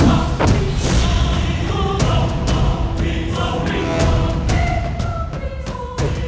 aduh aku gening pingsan